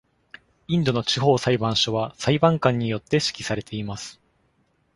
インドの地方裁判所は、裁判官によって指揮されています。